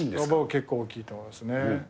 結構大きいと思いますね。